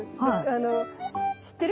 あの知ってる？